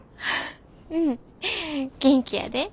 うん元気やで。